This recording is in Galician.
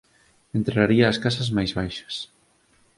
Enterraría as casas máis baixas.